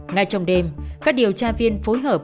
ngay trong đêm các điều tra viên phối hợp